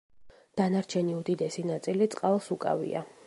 დანარჩენი უდიდესი ნაწილი წყალს უკავია.